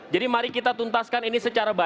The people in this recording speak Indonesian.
jadi mari kita tuntaskan ini secara berat